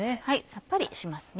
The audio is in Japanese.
さっぱりしますね。